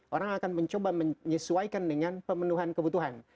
orang akan mencoba menyesuaikan dengan pemenuhan kebutuhan